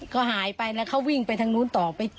เขาหายไปแล้วเขาวิ่งไปทางนู้นต่อไป